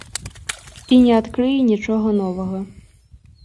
І не адкрые нічога новага.